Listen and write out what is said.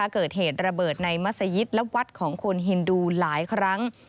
เกิดเหตุระเบิดในมัศยิตและวัดของคนฮินดูหลายครั้ง